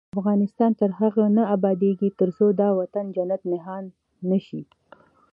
افغانستان تر هغو نه ابادیږي، ترڅو دا وطن جنت نښان نشي.